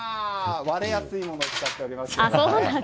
割れやすいものを使っております。